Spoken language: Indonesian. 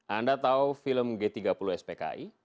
anda tahu film g tiga puluh spki